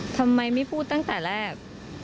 ทำไมไม่พูดตั้งแต่แรก